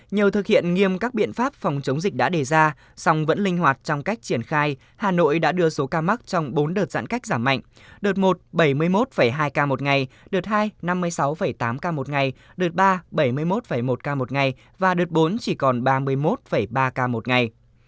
nhờ thực hiện nghiêm các biện pháp phòng chống dịch đã đề ra song vẫn linh hoạt trong cách triển khai hà nội đã đưa số ca mắc trong bốn đợt giãn cách giảm mạnh đợt một bảy mươi một hai ca một ngày đợt hai năm mươi sáu tám ca một ngày đợt ba bảy mươi một một ca một ngày và đợt bốn chỉ còn ba mươi một ba ca một ngày